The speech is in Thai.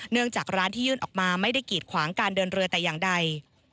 จากร้านที่ยื่นออกมาไม่ได้กีดขวางการเดินเรือแต่อย่างใด